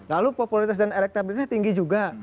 lalu popularitas dan elektabilitasnya tinggi juga